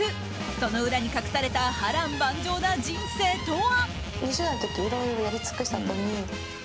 その裏に隠された波瀾万丈な人生とは？